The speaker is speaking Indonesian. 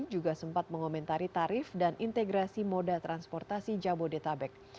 juga sempat mengomentari tarif dan integrasi moda transportasi jabodetabek